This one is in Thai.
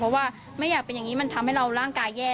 เพราะว่าไม่อยากเป็นอย่างนี้มันทำให้เราร่างกายแย่